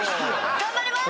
頑張ります！